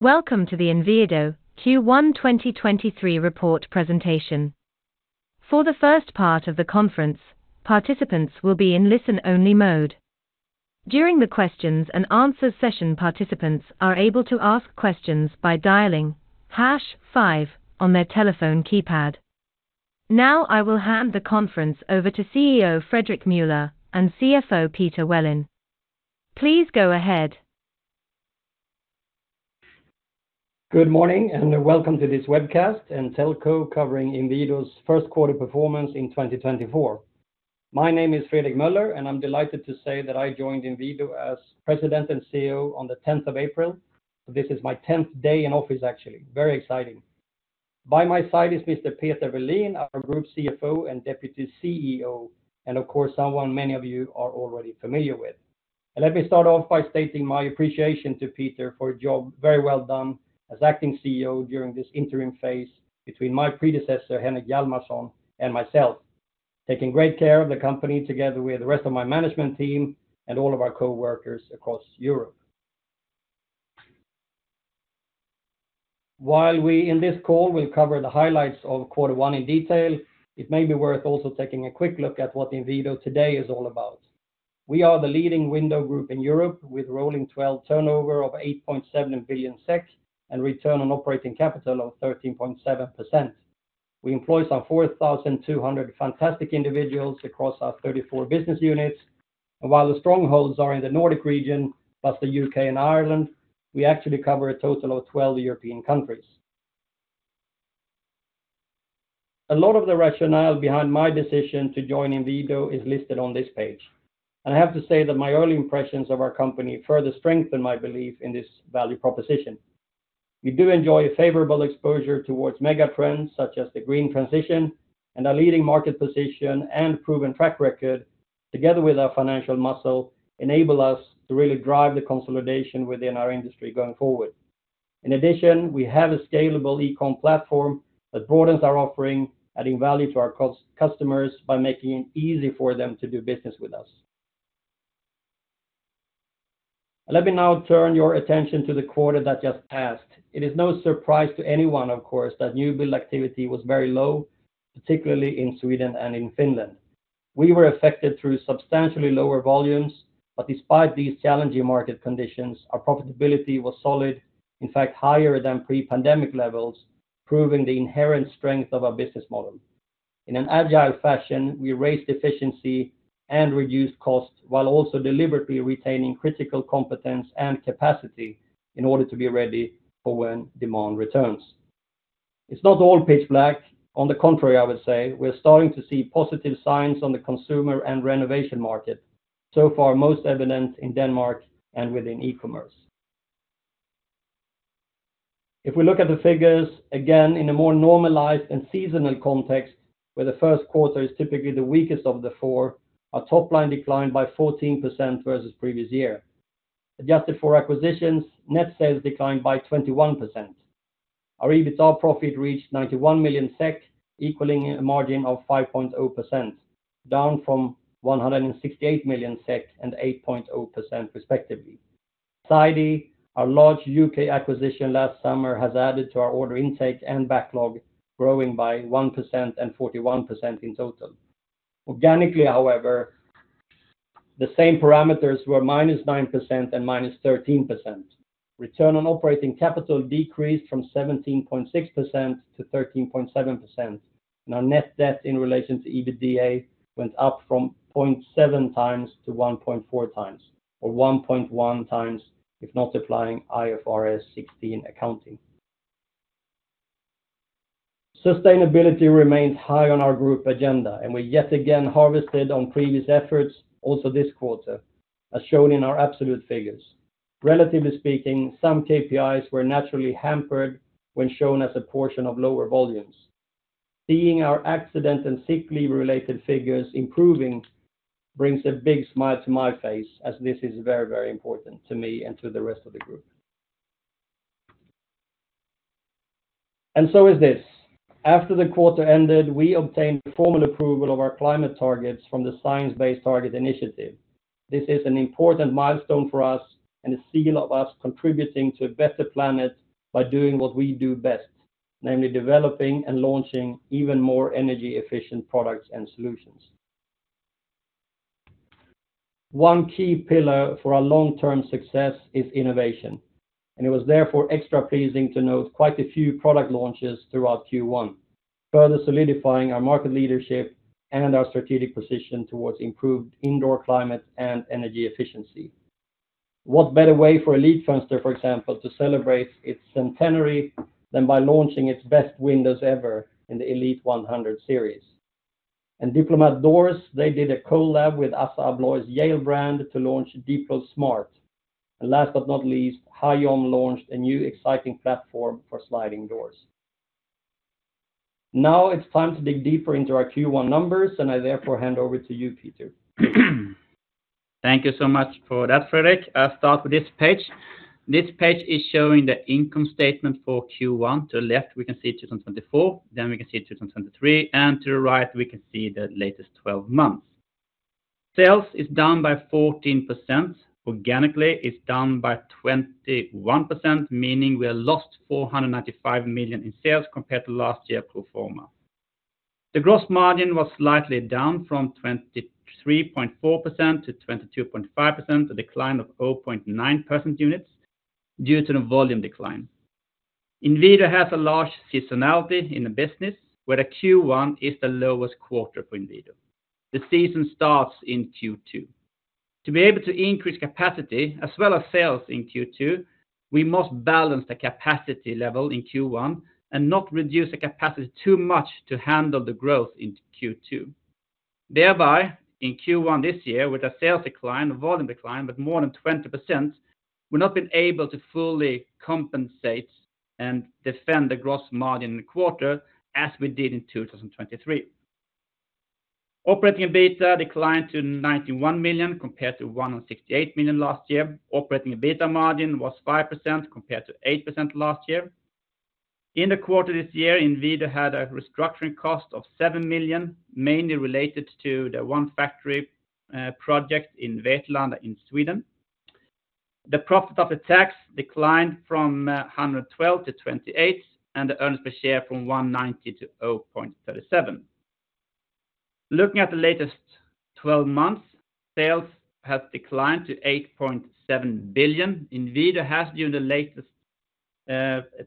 Welcome to the Inwido Q1 2023 report presentation. For the first part of the conference, participants will be in listen-only mode. During the questions and answers session, participants are able to ask questions by dialing hash five on their telephone keypad. Now I will hand the conference over to CEO Fredrik Meuller and CFO Peter Welin. Please go ahead. Good morning and welcome to this webcast and telco covering Inwido's first quarter performance in 2024. My name is Fredrik Meuller, and I'm delighted to say that I joined Inwido as President and CEO on the 10th of April, so this is my 10th day in office, actually. Very exciting. By my side is Mr. Peter Welin, our Group CFO and Deputy CEO, and of course someone many of you are already familiar with. Let me start off by stating my appreciation to Peter for a job very well done as Acting CEO during this interim phase between my predecessor Henrik Hjalmarsson and myself, taking great care of the company together with the rest of my management team and all of our coworkers across Europe. While we in this call will cover the highlights of Q1 in detail, it may be worth also taking a quick look at what Inwido today is all about. We are the leading window group in Europe with rolling 12 turnover of 8.7 billion SEK and return on operating capital of 13.7%. We employ some 4,200 fantastic individuals across our 34 business units. And while the strongholds are in the Nordic region plus the U.K. and Ireland, we actually cover a total of 12 European countries. A lot of the rationale behind my decision to join Inwido is listed on this page, and I have to say that my early impressions of our company further strengthen my belief in this value proposition. We do enjoy a favorable exposure toward megatrends such as the green transition, and our leading market position and proven track record, together with our financial muscle, enable us to really drive the consolidation within our industry going forward. In addition, we have a scalable e-com platform that broadens our offering, adding value to our customers by making it easy for them to do business with us. Let me now turn your attention to the quarter that just passed. It is no surprise to anyone, of course, that new build activity was very low, particularly in Sweden and in Finland. We were affected through substantially lower volumes, but despite these challenging market conditions, our profitability was solid, in fact higher than pre-pandemic levels, proving the inherent strength of our business model. In an agile fashion, we raised efficiency and reduced costs while also deliberately retaining critical competence and capacity in order to be ready for when demand returns. It's not all pitch black. On the contrary, I would say. We're starting to see positive signs on the consumer and renovation market, so far most evident in Denmark and within e-commerce. If we look at the figures, again, in a more normalized and seasonal context, where the first quarter is typically the weakest of the four, our top-line declined by 14% versus previous year. Adjusted for acquisitions, net sales declined by 21%. Our EBITDA profit reached 91 million SEK, equaling a margin of 5.0%, down from 168 million SEK and 8.0% respectively. Sidey, our large U.K. acquisition last summer has added to our order intake and backlog, growing by 1% and 41% in total. Organically, however, the same parameters were -9% and -13%. Return on Operating Capital decreased from 17.6% to 13.7%, and our net debt in relation to EBITDA went up from 0.7x to 1.4x, or 1.1x if not applying IFRS 16 accounting. Sustainability remains high on our group agenda, and we yet again harvested on previous efforts, also this quarter, as shown in our absolute figures. Relatively speaking, some KPIs were naturally hampered when shown as a portion of lower volumes. Seeing our accident and sick leave-related figures improving brings a big smile to my face, as this is very, very important to me and to the rest of the group. And so is this. After the quarter ended, we obtained formal approval of our climate targets from the Science Based Targets initiative. This is an important milestone for us and a seal of us contributing to a better planet by doing what we do best, namely developing and launching even more energy-efficient products and solutions. One key pillar for our long-term success is innovation, and it was therefore extra pleasing to note quite a few product launches throughout Q1, further solidifying our market leadership and our strategic position towards improved indoor climate and energy efficiency. What better way for Elitfönster, for example, to celebrate its centenary than by launching its best windows ever in the Elitfönster 100 series? And Diplomat Doors, they did a collab with ASSA ABLOY's Yale brand to launch DiploSmart. And last but not least, Hajom launched a new exciting platform for sliding doors. Now it's time to dig deeper into our Q1 numbers, and I therefore hand over to you, Peter. Thank you so much for that, Fredrik. I'll start with this page. This page is showing the income statement for Q1. To the left, we can see 2024, then we can see 2023, and to the right, we can see the latest 12 months. Sales is down by 14%. Organically, it's down by 21%, meaning we have lost 495 million in sales compared to last year pro forma. The gross margin was slightly down from 23.4% to 22.5%, a decline of 0.9 percent units due to the volume decline. Inwido has a large seasonality in the business, where the Q1 is the lowest quarter for Inwido. The season starts in Q2. To be able to increase capacity as well as sales in Q2, we must balance the capacity level in Q1 and not reduce the capacity too much to handle the growth in Q2. Thereby, in Q1 this year, with a sales decline, a volume decline of more than 20%, we've not been able to fully compensate and defend the gross margin in the quarter as we did in 2023. Operating EBITDA declined to 91 million compared to 168 million last year. Operating EBITDA margin was 5% compared to 8% last year. In the quarter this year, Inwido had a restructuring cost of 7 million, mainly related to the one factory project in Vetlanda in Sweden. The profit after tax declined from 112 million to 28 million, and the earnings per share from 1.90 to 0.37. Looking at the latest 12 months, sales have declined to 8.7 billion. Inwido has, during the latest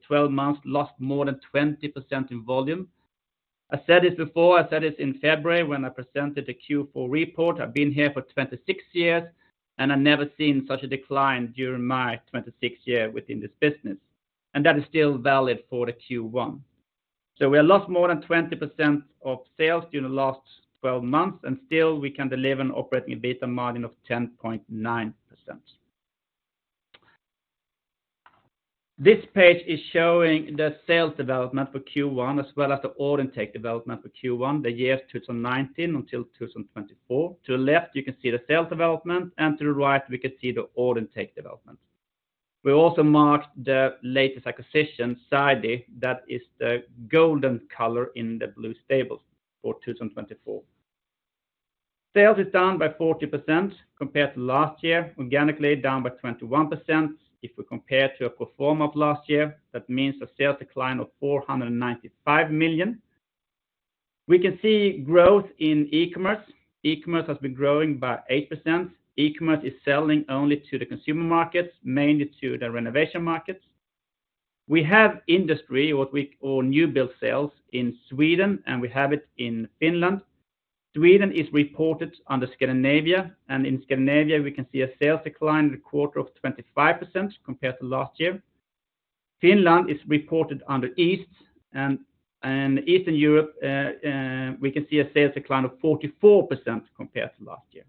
12 months, lost more than 20% in volume. I said this before. I said this in February when I presented the Q4 report. I've been here for 26 years, and I've never seen such a decline during my 26th year within this business. That is still valid for the Q1. We have lost more than 20% of sales during the last 12 months, and still we can deliver an operating EBITDA margin of 10.9%. This page is showing the sales development for Q1 as well as the order intake development for Q1, the years 2019 until 2024. To the left, you can see the sales development, and to the right, we can see the order intake development. We also marked the latest acquisition, Sidey. That is the golden color in the blue tables for 2024. Sales is down by 40% compared to last year, organically down by 21% if we compare to a pro forma of last year. That means a sales decline of 495 million. We can see growth in e-commerce. E-commerce has been growing by 8%. E-commerce is selling only to the consumer markets, mainly to the renovation markets. We have industry, or new build sales, in Sweden, and we have it in Finland. Sweden is reported under Scandinavia, and in Scandinavia, we can see a sales decline in the quarter of 25% compared to last year. Finland is reported under East, and in Eastern Europe, we can see a sales decline of 44% compared to last year.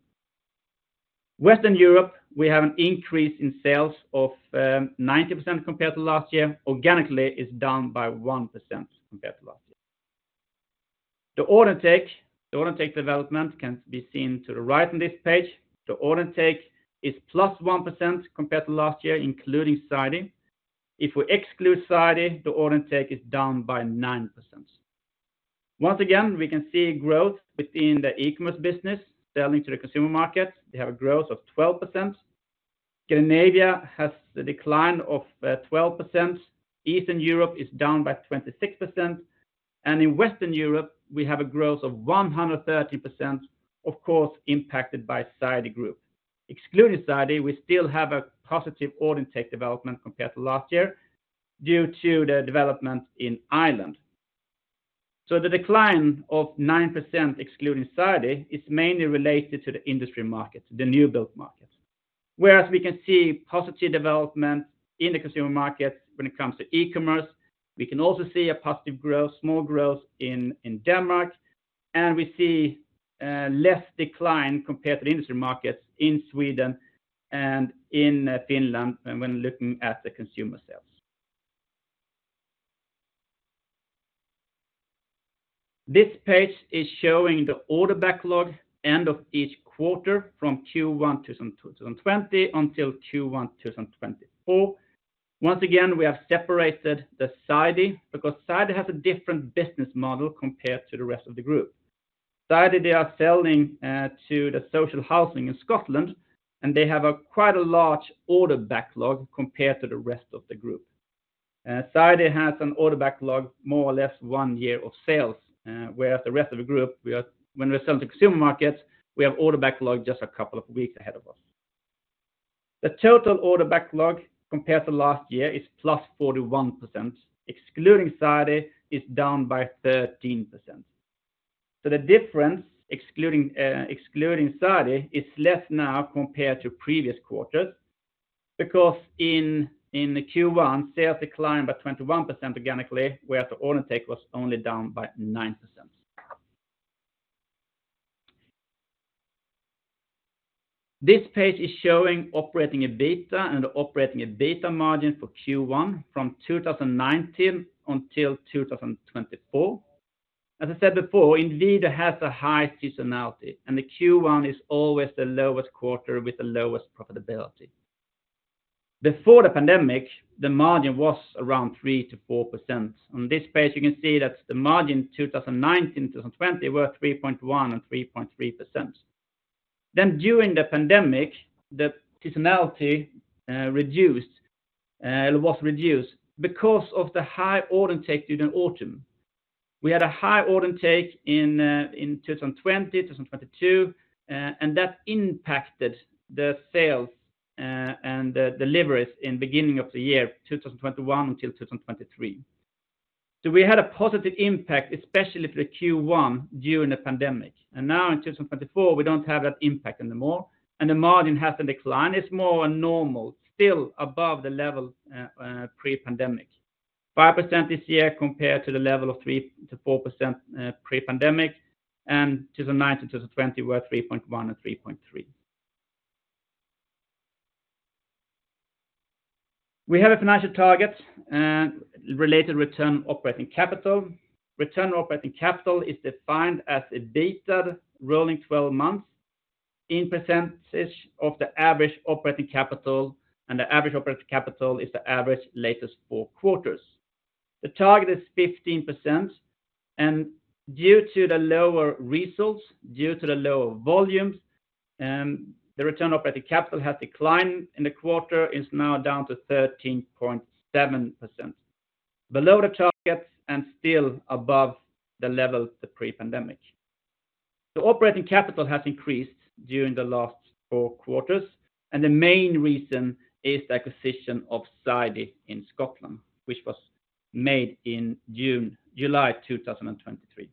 Western Europe, we have an increase in sales of 90% compared to last year. Organically, it's down by 1% compared to last year. The order intake, the order intake development can be seen to the right on this page. The order intake is +1% compared to last year, including Sidey. If we exclude Sidey, the order intake is down by 9%. Once again, we can see growth within the e-commerce business, selling to the consumer markets. They have a growth of 12%. Scandinavia has a decline of 12%. Eastern Europe is down by 26%. And in Western Europe, we have a growth of 113%, of course impacted by Sidey Group. Excluding Sidey, we still have a positive order intake development compared to last year due to the development in Ireland. So the decline of 9% excluding Sidey is mainly related to the industry market, the new build market. Whereas we can see positive development in the consumer markets when it comes to e-commerce, we can also see a positive growth, small growth in Denmark, and we see less decline compared to the industry markets in Sweden and in Finland when looking at the consumer sales. This page is showing the order backlog end of each quarter from Q1 2020 until Q1 2024. Once again, we have separated Sidey because Sidey has a different business model compared to the rest of the group. Sidey, they are selling to the social housing in Scotland, and they have quite a large order backlog compared to the rest of the group. Sidey has an order backlog more or less one year of sales, whereas the rest of the group, when we're selling to consumer markets, we have order backlog just a couple of weeks ahead of us. The total order backlog compared to last year is +41%. Excluding Sidey, it's down by 13%. So the difference, excluding Sidey, is less now compared to previous quarters because in Q1, sales declined by 21% organically, whereas the order intake was only down by 9%. This page is showing operating EBITDA and the operating EBITDA margin for Q1 from 2019 until 2024. As I said before, Inwido has a high seasonality, and the Q1 is always the lowest quarter with the lowest profitability. Before the pandemic, the margin was around 3%-4%. On this page, you can see that the margin 2019-2020 were 3.1% and 3.3%. Then during the pandemic, the seasonality reduced or was reduced because of the high order intake during autumn. We had a high order intake in 2020-2022, and that impacted the sales and deliveries in the beginning of the year, 2021 until 2023. So we had a positive impact, especially for the Q1 during the pandemic. And now in 2024, we don't have that impact anymore, and the margin has a decline. It's more normal, still above the level pre-pandemic, 5% this year compared to the level of 3%-4% pre-pandemic, and 2019-2020 were 3.1% and 3.3%. We have a financial target related to Return on Operating Capital. Return on Operating Capital is defined as an EBITDA rolling 12 months in percentage of the average operating capital, and the average operating capital is the average latest four quarters. The target is 15%, and due to the lower results, due to the lower volumes, the Return on Operating Capital has declined in the quarter, is now down to 13.7% below the target and still above the level pre-pandemic. The operating capital has increased during the last four quarters, and the main reason is the acquisition of Sidey in Scotland, which was made in July, July 2023.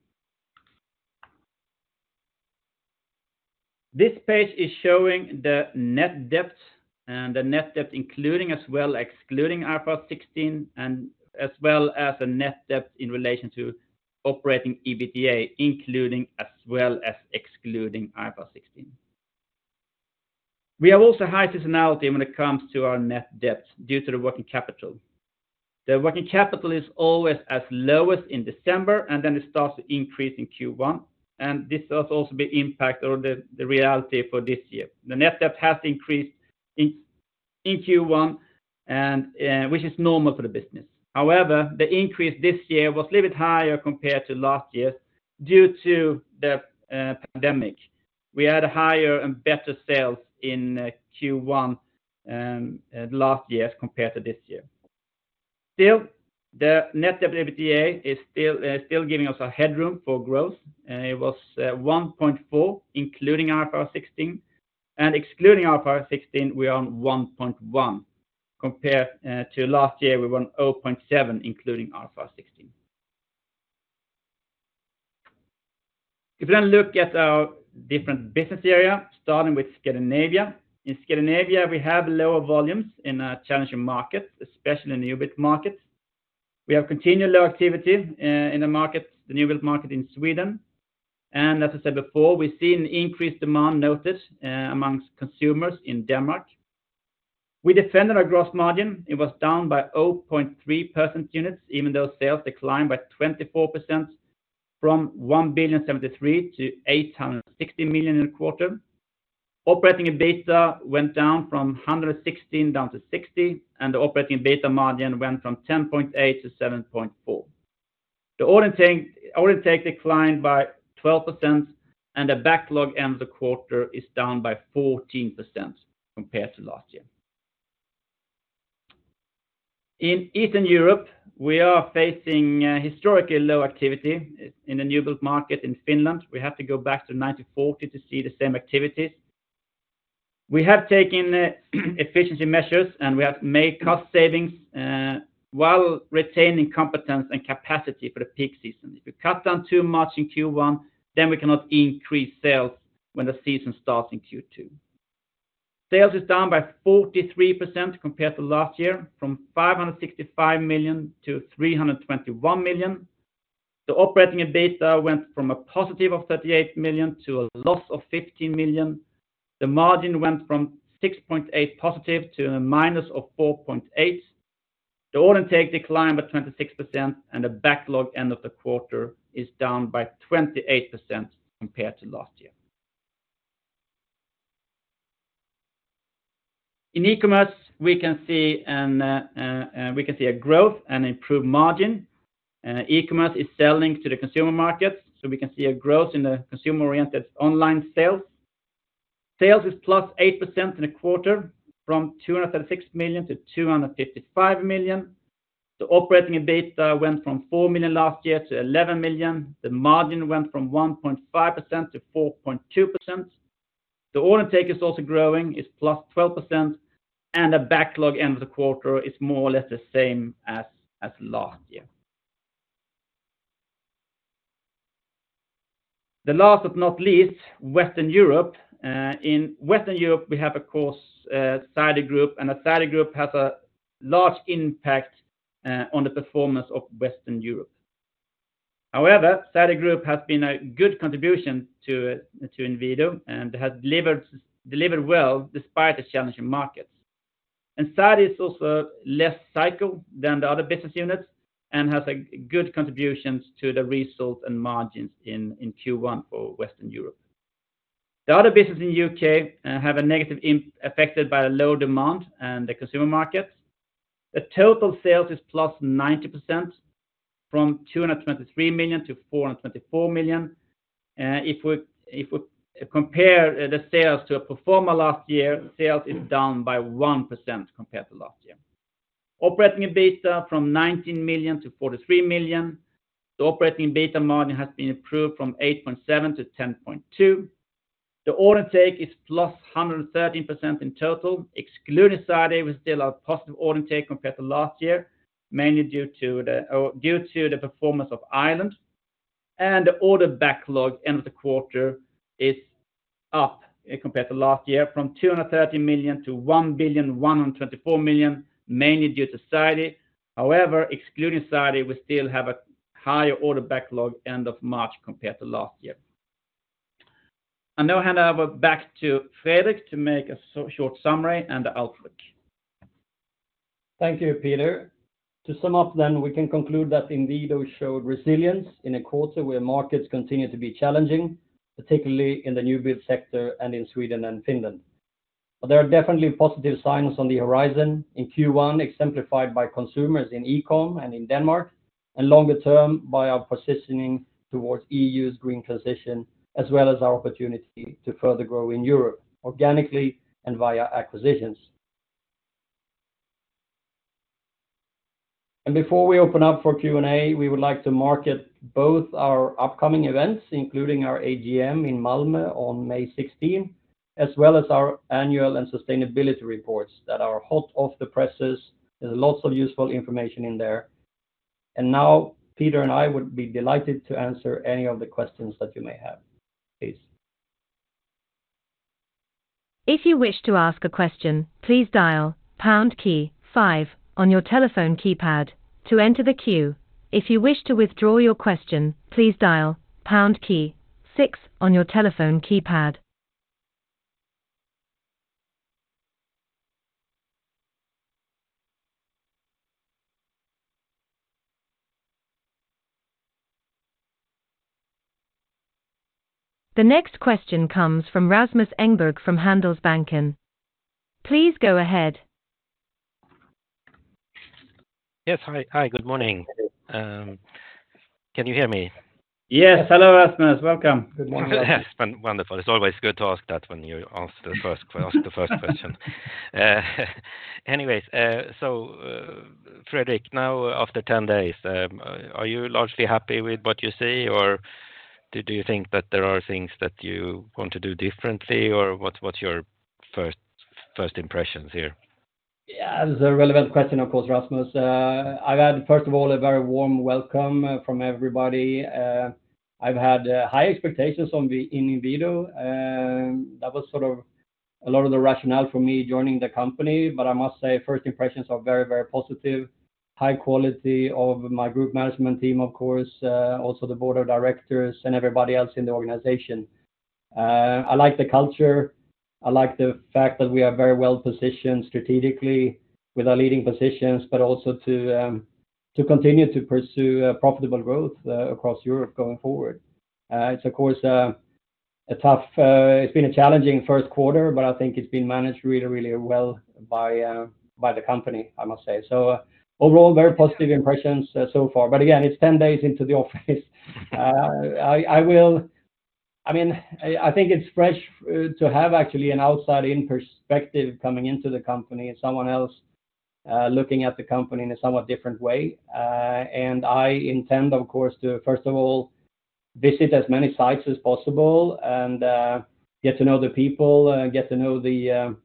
This page is showing the net debt and the net debt, including as well excluding IFRS 16, and as well as a net debt in relation to operating EBITDA, including as well as excluding IFRS 16. We have also high seasonality when it comes to our net debt due to the working capital. The working capital is always as low as in December, and then it starts to increase in Q1, and this has also been impacted or the reality for this year. The net debt has increased in Q1, which is normal for the business. However, the increase this year was a little bit higher compared to last year due to the pandemic. We had higher and better sales in Q1 last year compared to this year. Still, the net debt EBITDA is still giving us a headroom for growth. It was 1.4%, including IFRS 16. Excluding IFRS 16, we are on 1.1% compared to last year. We were on 0.7%, including IFRS 16. If you then look at our different business area, starting with Scandinavia, in Scandinavia, we have lower volumes in challenging markets, especially new build markets. We have continued low activity in the market, the new build market in Sweden. And as I said before, we've seen increased demand noted amongst consumers in Denmark. We defended our gross margin. It was down by 0.3 percent units, even though sales declined by 24% from 1.073 billion to 860 million in the quarter. Operating EBITDA went down from 116 million to 60 million, and the operating EBITDA margin went from 10.8% to 7.4%. The order intake declined by 12%, and the backlog end of the quarter is down by 14% compared to last year. In Eastern Europe, we are facing historically low activity in the new build market in Finland. We have to go back to 1940 to see the same activities. We have taken efficiency measures, and we have made cost savings while retaining competence and capacity for the peak season. If you cut down too much in Q1, then we cannot increase sales when the season starts in Q2. Sales is down by 43% compared to last year from 565 million to 321 million. The operating EBITDA went from +38 million to loss of 15 million. The margin went from +6.8% to -4.8%. The order intake declined by 26%, and the backlog end of the quarter is down by 28% compared to last year. In e-commerce, we can see a growth and improved margin. E-commerce is selling to the consumer markets, so we can see a growth in the consumer-oriented online sales. Sales is +8% in a quarter from 236 million to 255 million. The operating EBITDA went from 4 million last year to 11 million. The margin went from 1.5%-4.2%. The order intake is also growing, is +12%, and the backlog end of the quarter is more or less the same as last year. The last but not least, Western Europe. In Western Europe, we have, of course, Sidey Group, and Sidey Group has a large impact on the performance of Western Europe. However, Sidey Group has been a good contribution to Inwido, and it has delivered well despite the challenging markets. And Sidey is also less cyclical than the other business units and has a good contribution to the results and margins in Q1 for Western Europe. The other businesses in the U.K. have a negative impact affected by the low demand and the consumer markets. The total sales is +90% from 223 million to 424 million. If we compare the sales to a pro forma last year, sales is down by 1% compared to last year. Operating EBITDA from 19 million to 43 million. The operating EBITDA margin has been improved from 8.7% to 10.2%. The order intake is +113% in total. Excluding Sidey, we still have positive order intake compared to last year, mainly due to the performance of Ireland. And the order backlog end of the quarter is up compared to last year from 230 million to 1.124 billion, mainly due to Sidey. However, excluding Sidey, we still have a higher order backlog end of March compared to last year. I now hand over back to Fredrik to make a short summary and the outlook. Thank you, Peter. To sum up then, we can conclude that Inwido showed resilience in a quarter where markets continue to be challenging, particularly in the new build sector and in Sweden and Finland. There are definitely positive signs on the horizon in Q1, exemplified by consumers in e-com and in Denmark, and longer term by our positioning towards EU's green transition, as well as our opportunity to further grow in Europe organically and via acquisitions. And before we open up for Q&A, we would like to market both our upcoming events, including our AGM in Malmö on May 16, as well as our annual and sustainability reports that are hot off the presses. There's lots of useful information in there. And now, Peter and I would be delighted to answer any of the questions that you may have. Please. If you wish to ask a question, please dial pound key five on your telephone keypad to enter the queue. If you wish to withdraw your question, please dial pound key six on your telephone keypad. The next question comes from Rasmus Engberg from Handelsbanken. Please go ahead. Yes, hi. Good morning. Can you hear me? Yes. Hello, Rasmus. Welcome. Good morning. Wonderful. It's always good to ask that when you ask the first question. Anyways, so Fredrik, now after 10 days, are you largely happy with what you see, or do you think that there are things that you want to do differently, or what's your first impressions here? Yeah, this is a relevant question, of course, Rasmus. I've had, first of all, a very warm welcome from everybody. I've had high expectations in Inwido. That was sort of a lot of the rationale for me joining the company. But I must say, first impressions are very, very positive. High quality of my group management team, of course, also the board of directors and everybody else in the organization. I like the culture. I like the fact that we are very well positioned strategically with our leading positions, but also to continue to pursue profitable growth across Europe going forward. It's, of course, a tough—it's been a challenging first quarter, but I think it's been managed really, really well by the company, I must say. So overall, very positive impressions so far. But again, it's 10 days into the office. I mean, I think it's fresh to have, actually, an outside-in perspective coming into the company and someone else looking at the company in a somewhat different way. I intend, of course, to, first of all, visit as many sites as possible and get to know the people, get to know the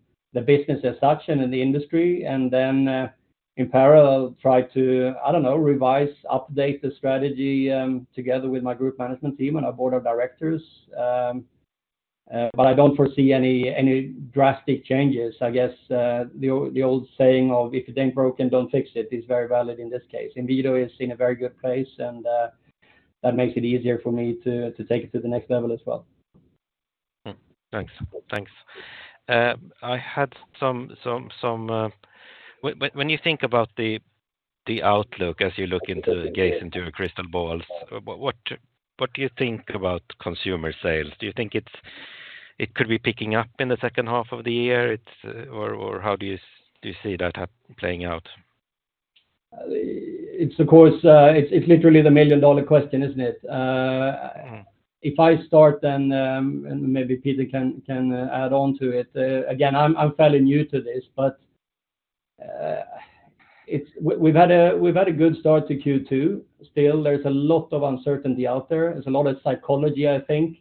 business as such and in the industry, and then in parallel, try to, I don't know, revise, update the strategy together with my group management team and our board of directors. I don't foresee any drastic changes. I guess the old saying of, "If it ain't broken, don't fix it," is very valid in this case. Inwido is in a very good place, and that makes it easier for me to take it to the next level as well. Thanks. Thanks. I had some. When you think about the outlook as you gaze into your crystal balls, what do you think about consumer sales? Do you think it could be picking up in the second half of the year, or how do you see that playing out? Of course, it's literally the million-dollar question, isn't it? If I start, and maybe Peter can add on to it. Again, I'm fairly new to this, but we've had a good start to Q2. Still, there's a lot of uncertainty out there. There's a lot of psychology, I think.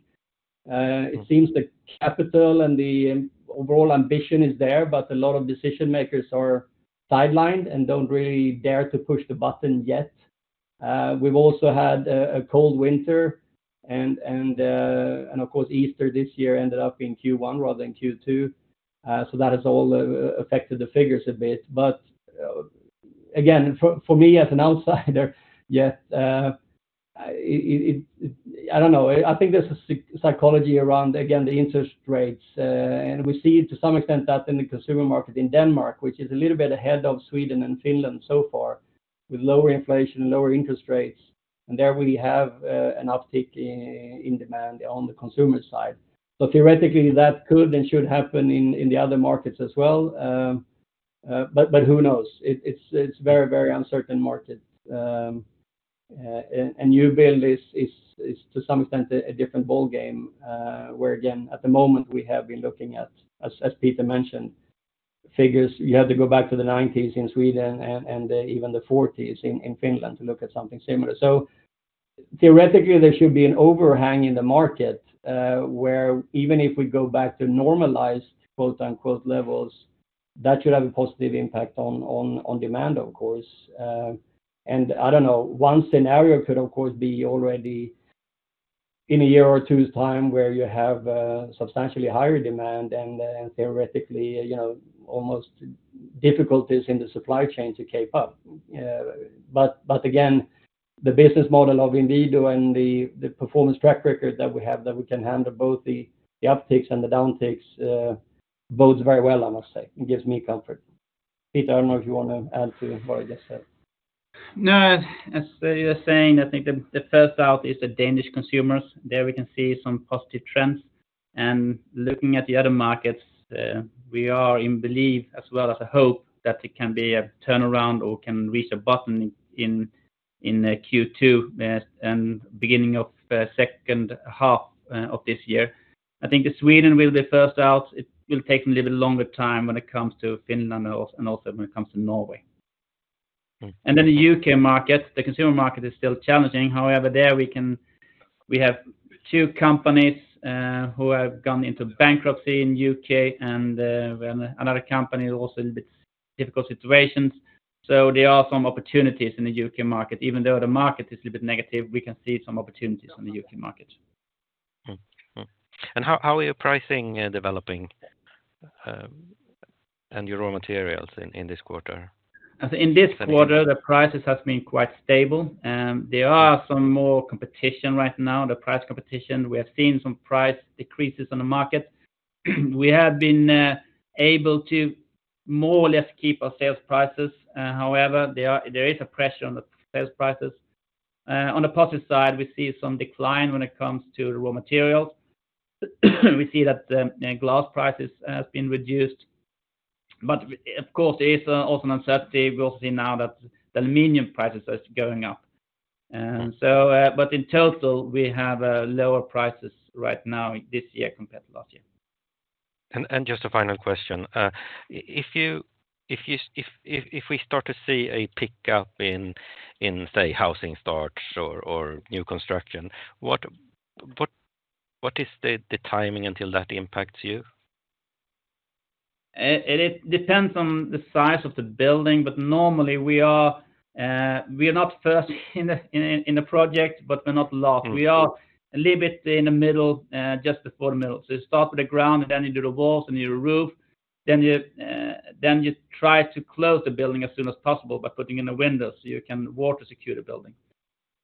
It seems the capital and the overall ambition is there, but a lot of decision-makers are sidelined and don't really dare to push the button yet. We've also had a cold winter, and of course, Easter this year ended up in Q1 rather than Q2. So that has all affected the figures a bit. But again, for me as an outsider. Yet, I don't know. I think there's a psychology around, again, the interest rates. We see to some extent that in the consumer market in Denmark, which is a little bit ahead of Sweden and Finland so far with lower inflation and lower interest rates. There we have an uptick in demand on the consumer side. So theoretically, that could and should happen in the other markets as well. But who knows? It's a very, very uncertain market. New build is to some extent a different ballgame where, again, at the moment, we have been looking at, as Peter mentioned, figures. You had to go back to the 1990s in Sweden and even the 1940s in Finland to look at something similar. So theoretically, there should be an overhang in the market where even if we go back to normalized "levels," that should have a positive impact on demand, of course. I don't know. One scenario could, of course, be already in a year or two's time where you have substantially higher demand and theoretically almost difficulties in the supply chain to keep up. But again, the business model of Inwido and the performance track record that we have that we can handle both the upticks and the downticks bodes very well, I must say. It gives me comfort. Peter, I don't know if you want to add to what I just said. No, as you were saying, I think the first out is the Danish consumers. There we can see some positive trends. And looking at the other markets, we are in belief as well as a hope that it can be a turnaround or can reach a bottom in Q2 and beginning of second half of this year. I think Sweden will be first out. It will take them a little bit longer time when it comes to Finland and also when it comes to Norway. And then the U.K. market, the consumer market is still challenging. However, there we have two companies who have gone into bankruptcy in the U.K., and another company also in a bit difficult situations. So there are some opportunities in the U.K. market. Even though the market is a little bit negative, we can see some opportunities in the U.K. market. How are your pricing developing and your raw materials in this quarter? In this quarter, the prices have been quite stable. There are some more competition right now, the price competition. We have seen some price decreases on the market. We have been able to more or less keep our sales prices. However, there is a pressure on the sales prices. On the positive side, we see some decline when it comes to the raw materials. We see that glass prices have been reduced. But of course, there is also an uncertainty. We also see now that the aluminum prices are going up. But in total, we have lower prices right now this year compared to last year. Just a final question. If we start to see a pickup in, say, housing starts or new construction, what is the timing until that impacts you? It depends on the size of the building, but normally we are not first in the project, but we're not lost. We are a little bit in the middle, just before the middle. So you start with the ground, and then you do the walls and you do the roof. Then you try to close the building as soon as possible by putting in the windows so you can water-secure the building.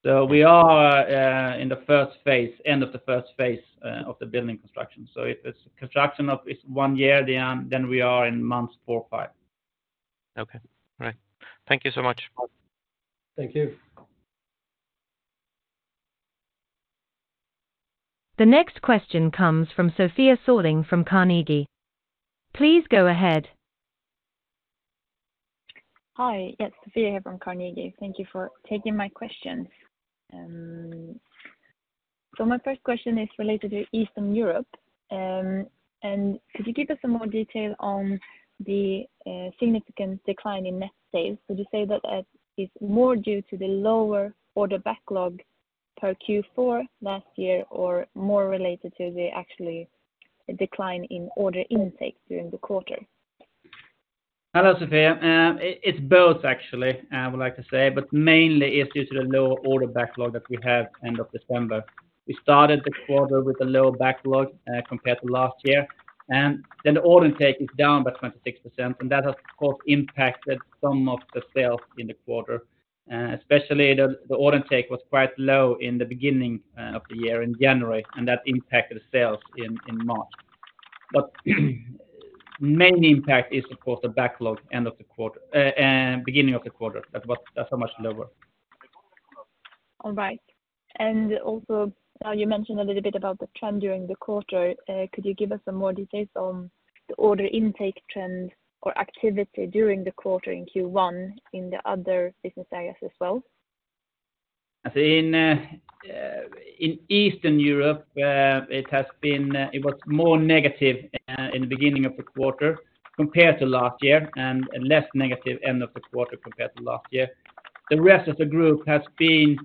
So we are in the first phase, end of the first phase of the building construction. So if it's construction of one year at the end, then we are in months four or five. Okay. All right. Thank you so much. Thank you. The next question comes from Sofia Sörling from Carnegie. Please go ahead. Hi. Yes, Sofia here from Carnegie. Thank you for taking my questions. So my first question is related to Eastern Europe. And could you give us some more detail on the significant decline in net sales? Would you say that it's more due to the lower order backlog per Q4 last year or more related to the actual decline in order intake during the quarter? Hello, Sofia. It's both, actually, I would like to say, but mainly it's due to the lower order backlog that we have end of December. We started the quarter with a lower backlog compared to last year. And then the order intake is down by 26%, and that has, of course, impacted some of the sales in the quarter. Especially the order intake was quite low in the beginning of the year in January, and that impacted sales in March. But the main impact is, of course, the backlog end of the quarter, beginning of the quarter. That's so much lower. All right. And also, now you mentioned a little bit about the trend during the quarter. Could you give us some more details on the order intake trend or activity during the quarter in Q1 in the other business areas as well? In Eastern Europe, it was more negative in the beginning of the quarter compared to last year and less negative end of the quarter compared to last year. The rest of the group has been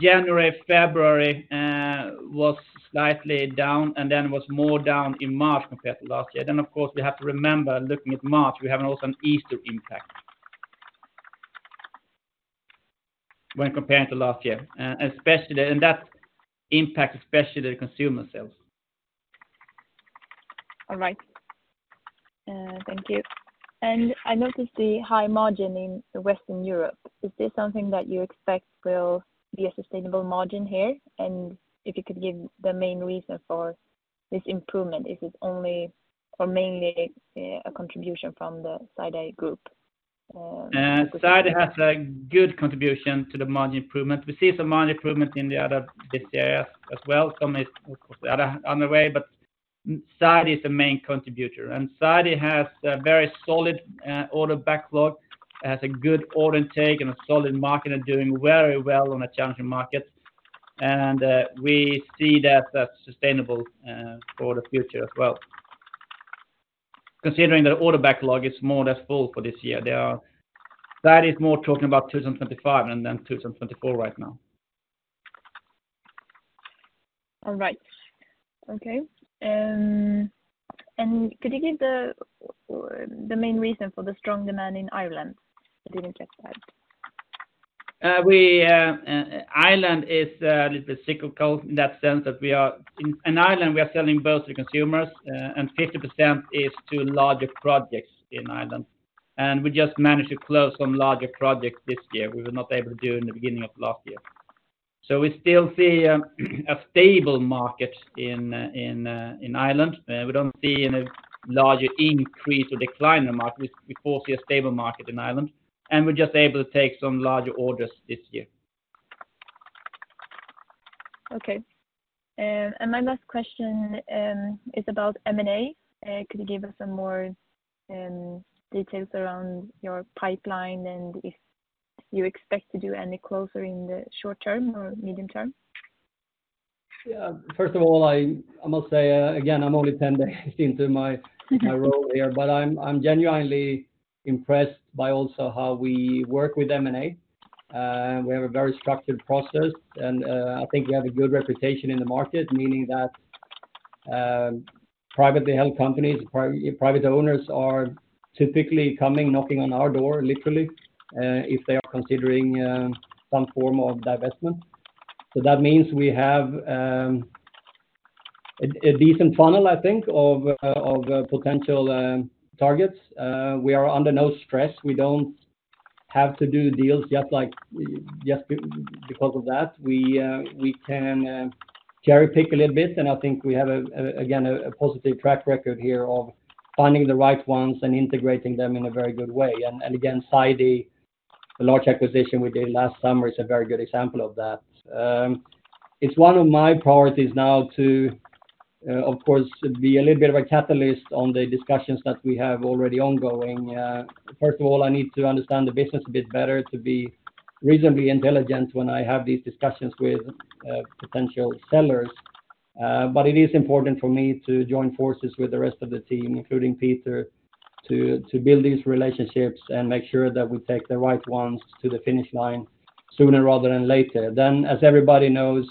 January, February was slightly down, and then it was more down in March compared to last year. Then, of course, we have to remember looking at March. We have also an Easter impact when comparing to last year, and that impacts especially the consumer sales. All right. Thank you. I noticed the high margin in Western Europe. Is this something that you expect will be a sustainable margin here? If you could give the main reason for this improvement, is it only or mainly a contribution from the Sidey Group? Sidey has a good contribution to the margin improvement. We see some margin improvement in the other business areas as well. Some is, of course, the other way, but Sidey is the main contributor. Sidey has a very solid order backlog, has a good order intake, and a solid market doing very well on the challenging markets. We see that that's sustainable for the future as well, considering that order backlog is more or less full for this year. Sidey is more talking about 2025 than 2024 right now. All right. Okay. And could you give the main reason for the strong demand in Ireland? I didn't get that. Ireland is a little bit cyclical in that sense that we are in Ireland, we are selling both to consumers, and 50% is to larger projects in Ireland. We just managed to close some larger projects this year, we were not able to do in the beginning of last year. We still see a stable market in Ireland. We don't see a larger increase or decline in the market. We foresee a stable market in Ireland, and we're just able to take some larger orders this year. Okay. My last question is about M&A. Could you give us some more details around your pipeline and if you expect to do any closer in the short term or medium term? Yeah. First of all, I must say, again, I'm only 10 days into my role here, but I'm genuinely impressed by also how we work with M&A. We have a very structured process, and I think we have a good reputation in the market, meaning that privately held companies, private owners are typically coming, knocking on our door, literally, if they are considering some form of divestment. So that means we have a decent funnel, I think, of potential targets. We are under no stress. We don't have to do deals just because of that. We can cherry-pick a little bit. And I think we have, again, a positive track record here of finding the right ones and integrating them in a very good way. And again, Sidey, the large acquisition we did last summer, is a very good example of that. It's one of my priorities now to, of course, be a little bit of a catalyst on the discussions that we have already ongoing. First of all, I need to understand the business a bit better to be reasonably intelligent when I have these discussions with potential sellers. But it is important for me to join forces with the rest of the team, including Peter, to build these relationships and make sure that we take the right ones to the finish line sooner rather than later. Then, as everybody knows,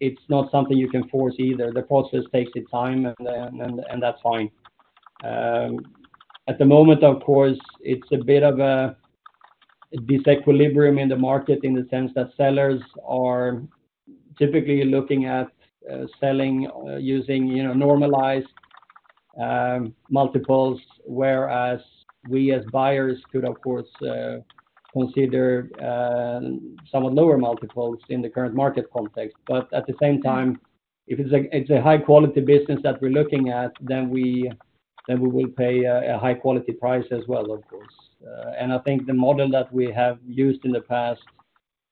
it's not something you can force either. The process takes its time, and that's fine. At the moment, of course, it's a bit of a disequilibrium in the market in the sense that sellers are typically looking at selling using normalized multiples, whereas we as buyers could, of course, consider somewhat lower multiples in the current market context. But at the same time, if it's a high-quality business that we're looking at, then we will pay a high-quality price as well, of course. And I think the model that we have used in the past,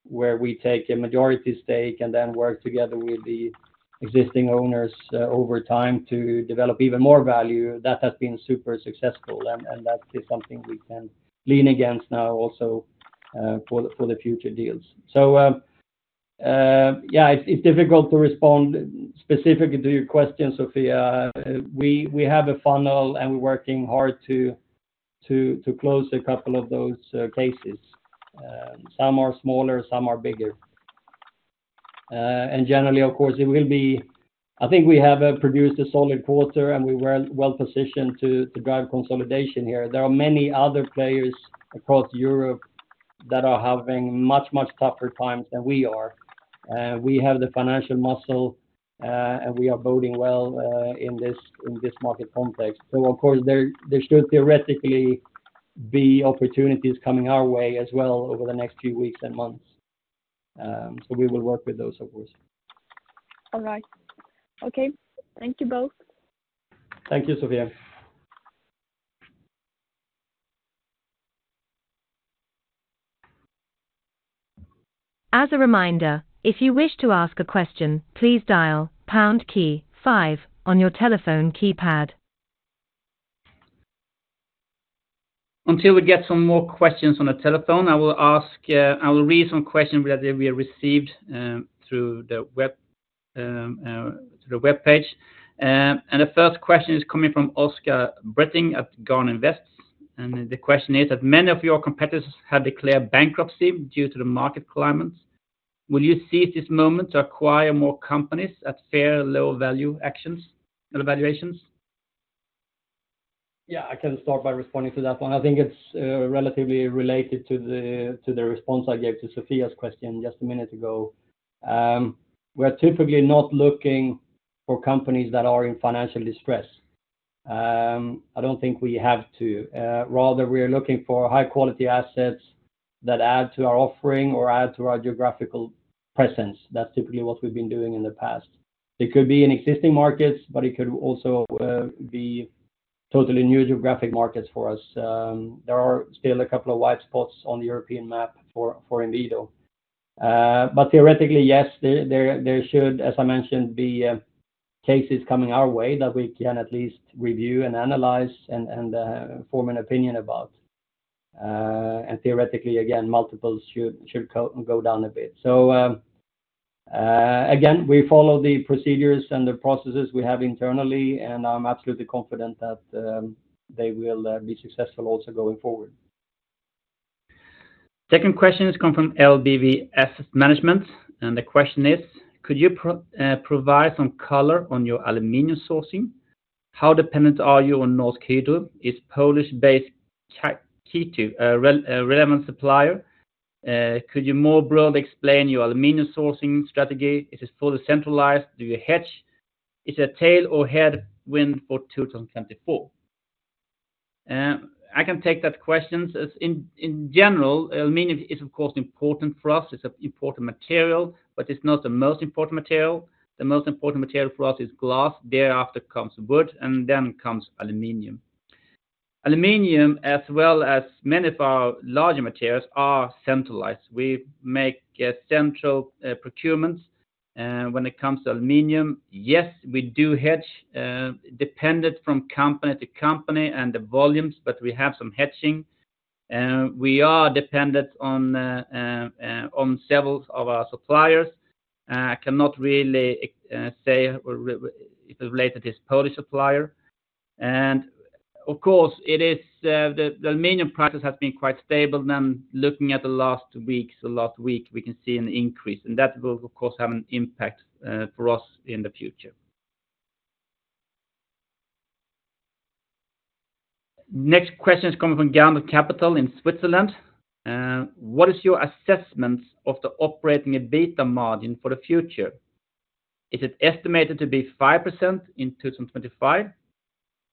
where we take a majority stake and then work together with the existing owners over time to develop even more value, that has been super successful. And that is something we can lean against now also for the future deals. So yeah, it's difficult to respond specifically to your question, Sophia. We have a funnel, and we're working hard to close a couple of those cases. Some are smaller, some are bigger. And generally, of course, it will be I think we have produced a solid quarter, and we're well positioned to drive consolidation here. There are many other players across Europe that are having much, much tougher times than we are. We have the financial muscle, and we are boating well in this market context. So of course, there should theoretically be opportunities coming our way as well over the next few weeks and months. So we will work with those, of course. All right. Okay. Thank you both. Thank you, Sofia. As a reminder, if you wish to ask a question, please dial pound key five on your telephone keypad. Until we get some more questions on the telephone, I will read some questions that we have received through the web page. The first question is coming from Oskar Britting at Garn Invest. The question is that many of your competitors have declared bankruptcy due to the market climate. Will you seize this moment to acquire more companies at fair, low-value valuations? Yeah, I can start by responding to that one. I think it's relatively related to the response I gave to Sofia's question just a minute ago. We're typically not looking for companies that are in financial distress. I don't think we have to. Rather, we are looking for high-quality assets that add to our offering or add to our geographical presence. That's typically what we've been doing in the past. It could be in existing markets, but it could also be totally new geographic markets for us. There are still a couple of white spots on the European map for Inwido. But theoretically, yes, there should, as I mentioned, be cases coming our way that we can at least review and analyze and form an opinion about. And theoretically, again, multiples should go down a bit. So again, we follow the procedures and the processes we have internally, and I'm absolutely confident that they will be successful also going forward. Second question has come from LBV Asset Management. And the question is, could you provide some color on your aluminum sourcing? How dependent are you on Norsk Hydro? Is Polish-based Kęty a relevant supplier? Could you more broadly explain your aluminum sourcing strategy? Is it fully centralized? Do you hedge? Is it a tail or headwind for 2024? I can take that question. In general, aluminum is, of course, important for us. It's an important material, but it's not the most important material. The most important material for us is glass. Thereafter comes wood, and then comes aluminum. Aluminum, as well as many of our larger materials, are centralized. We make central procurements. When it comes to aluminum, yes, we do hedge, dependent from company to company and the volumes, but we have some hedging. We are dependent on several of our suppliers. I cannot really say if it related to this Polish supplier. Of course, the aluminum prices have been quite stable. Looking at the last weeks, the last week, we can see an increase. That will, of course, have an impact for us in the future. Next question is coming from GAM Capital in Switzerland. What is your assessment of the operating EBITDA margin for the future? Is it estimated to be 5% in 2025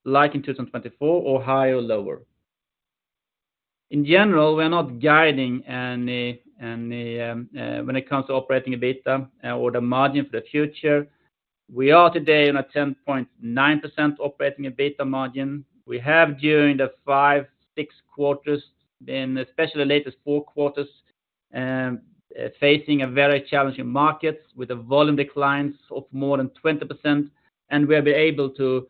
like in 2024 or higher or lower? In general, we are not guiding any when it comes to operating EBITDA or the margin for the future. We are today on a 10.9% operating EBITDA margin. We have during the five, six quarters, especially the latest four quarters, facing very challenging markets with volume declines of more than 20%. We have been able to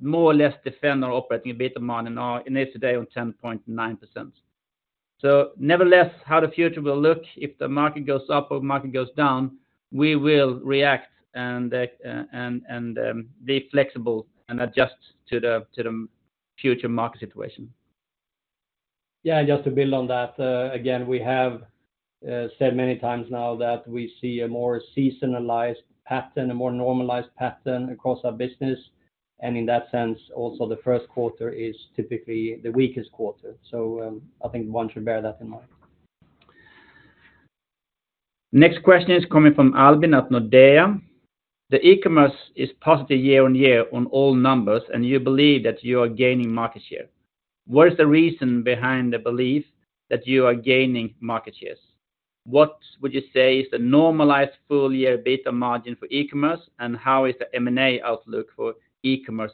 more or less defend our operating EBITDA margin. It is today on 10.9%. So nevertheless, how the future will look, if the market goes up or the market goes down, we will react and be flexible and adjust to the future market situation. Yeah. Just to build on that, again, we have said many times now that we see a more seasonalized pattern, a more normalized pattern across our business. In that sense, also the first quarter is typically the weakest quarter. I think one should bear that in mind. Next question is coming from Albin at Nordea. The e-commerce is positive year on year on all numbers, and you believe that you are gaining market share. What is the reason behind the belief that you are gaining market shares? What would you say is the normalized full-year EBITDA margin for e-commerce, and how is the M&A outlook for e-commerce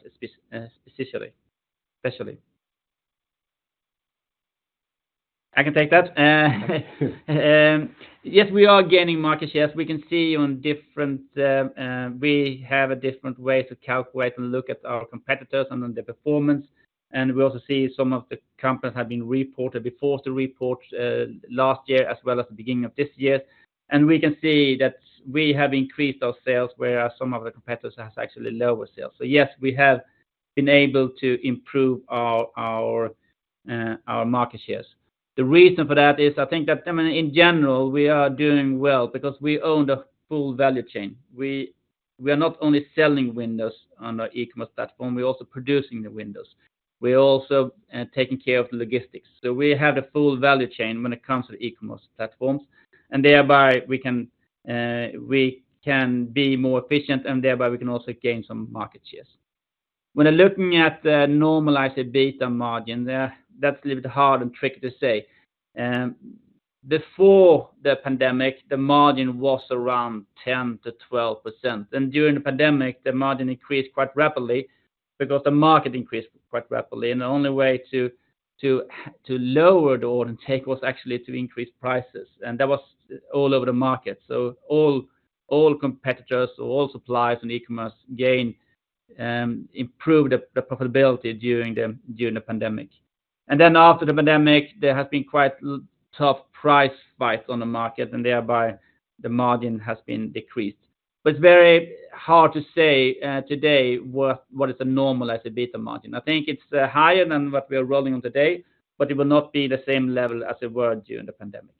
specifically? I can take that. Yes, we are gaining market shares. We can see on different we have a different way to calculate and look at our competitors and on their performance. And we also see some of the companies have been reported before the report last year as well as the beginning of this year. And we can see that we have increased our sales, whereas some of the competitors have actually lower sales. So yes, we have been able to improve our market shares. The reason for that is, I think that, I mean, in general, we are doing well because we own the full value chain. We are not only selling windows on our e-commerce platform. We're also producing the windows. We're also taking care of the logistics. So we have the full value chain when it comes to the e-commerce platforms. And thereby, we can be more efficient, and thereby, we can also gain some market shares. When looking at normalized EBITDA margin, that's a little bit hard and tricky to say. Before the pandemic, the margin was around 10%-12%. And during the pandemic, the margin increased quite rapidly because the market increased quite rapidly. And the only way to lower the order intake was actually to increase prices. And that was all over the market. So all competitors or all suppliers in e-commerce gain improved profitability during the pandemic. Then after the pandemic, there has been quite tough price fights on the market, and thereby, the margin has been decreased. But it's very hard to say today what is the normalized EBITDA margin. I think it's higher than what we are rolling on today, but it will not be the same level as it was during the pandemic.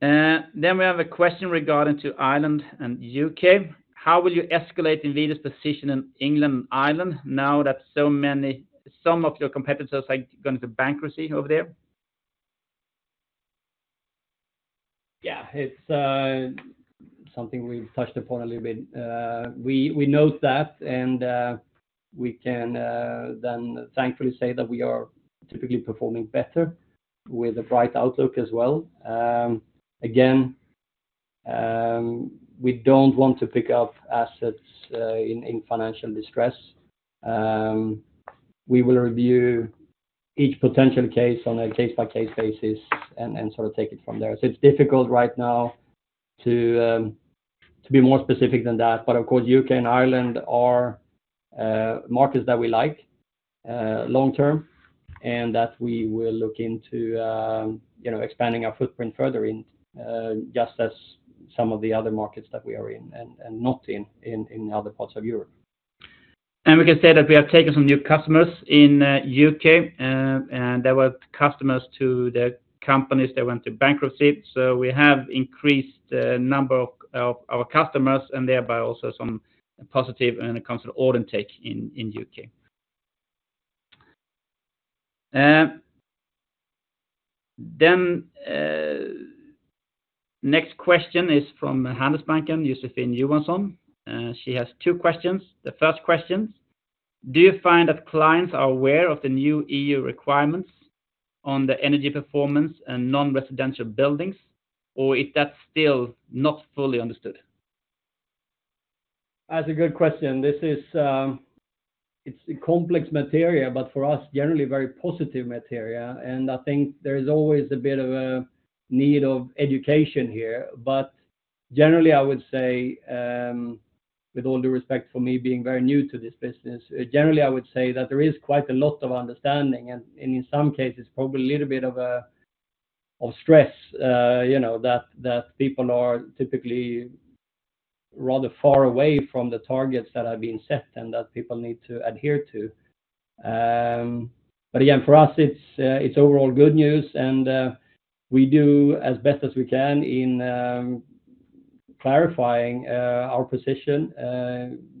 Then we have a question regarding Ireland and the U.K. How will you escalate Inwido's position in England and Ireland now that some of your competitors are going into bankruptcy over there? Yeah. It's something we've touched upon a little bit. We note that, and we can then thankfully say that we are typically performing better with a bright outlook as well. Again, we don't want to pick up assets in financial distress. We will review each potential case on a case-by-case basis and sort of take it from there. So it's difficult right now to be more specific than that. But of course, the U.K. and Ireland are markets that we like long-term and that we will look into expanding our footprint further in just as some of the other markets that we are in and not in in other parts of Europe. We can say that we have taken some new customers in the U.K. There were customers to the companies that went to bankruptcy. We have increased the number of our customers and thereby also some positive when it comes to order and take in the U.K. Next question is from Handelsbanken Josefin Jansson. She has two questions. The first question is, do you find that clients are aware of the new EU requirements on the energy performance and non-residential buildings, or is that still not fully understood? That's a good question. It's a complex material, but for us, generally, very positive material. And I think there is always a bit of a need of education here. But generally, I would say, with all due respect for me being very new to this business, generally, I would say that there is quite a lot of understanding. And in some cases, probably a little bit of stress that people are typically rather far away from the targets that have been set and that people need to adhere to. But again, for us, it's overall good news. And we do as best as we can in clarifying our position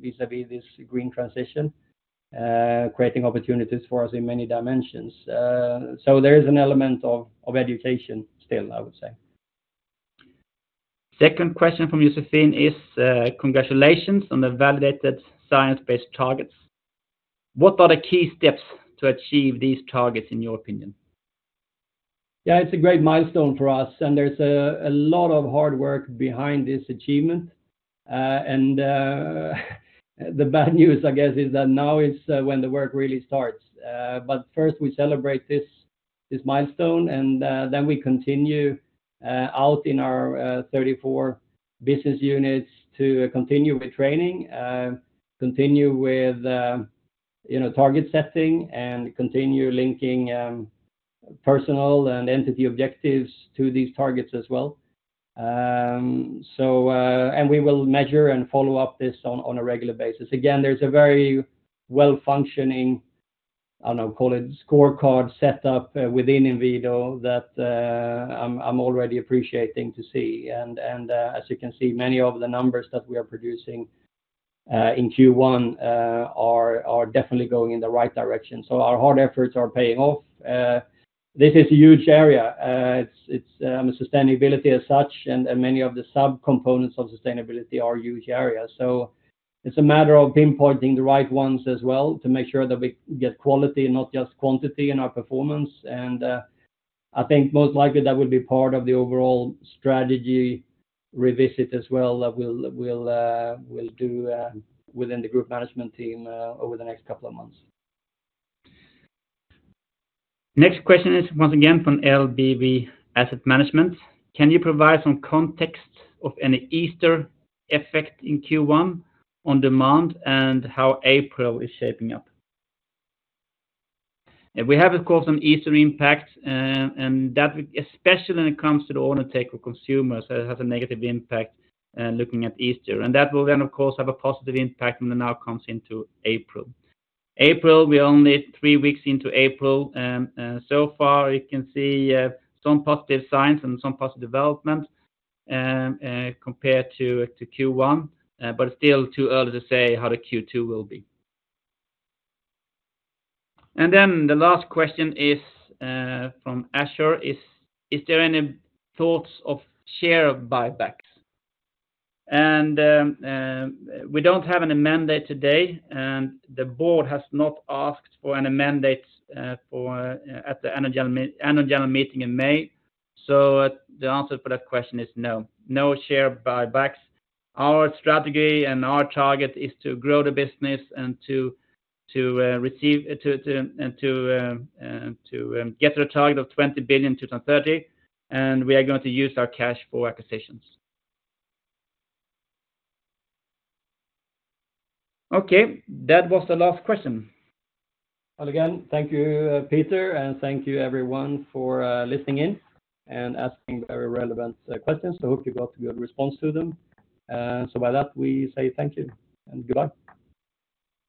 vis-à-vis this green transition, creating opportunities for us in many dimensions. So there is an element of education still, I would say. Second question from Josefin is, congratulations on the validated science-based targets. What are the key steps to achieve these targets, in your opinion? Yeah, it's a great milestone for us. And there's a lot of hard work behind this achievement. And the bad news, I guess, is that now is when the work really starts. But first, we celebrate this milestone, and then we continue out in our 34 business units to continue with training, continue with target setting, and continue linking personal and entity objectives to these targets as well. And we will measure and follow up this on a regular basis. Again, there's a very well-functioning - I don't know - call it scorecard setup within Inwido that I'm already appreciating to see. And as you can see, many of the numbers that we are producing in Q1 are definitely going in the right direction. So our hard efforts are paying off. This is a huge area. I mean, sustainability as such, and many of the subcomponents of sustainability are huge areas. So it's a matter of pinpointing the right ones as well to make sure that we get quality, not just quantity, in our performance. And I think most likely that will be part of the overall strategy revisit as well that we'll do within the group management team over the next couple of months. Next question is once again from LBV Asset Management. Can you provide some context of any Easter effect in Q1 on demand and how April is shaping up? We have, of course, some Easter impacts, especially when it comes to the order intake for consumers. It has a negative impact looking at Easter. That will then, of course, have a positive impact when it now comes into April. We're only three weeks into April. So far, you can see some positive signs and some positive developments compared to Q1, but it's still too early to say how the Q2 will be. Then the last question is from Alcur. Is there any thoughts of share buybacks? We don't have any mandate today, and the board has not asked for any mandate at the annual meeting in May. So the answer for that question is no. No share buybacks. Our strategy and our target is to grow the business and to get to the target of 20 billion in 2030. And we are going to use our cash for acquisitions. Okay. That was the last question. Again, thank you, Peter. And thank you, everyone, for listening in and asking very relevant questions. So I hope you got a good response to them. So by that, we say thank you and goodbye.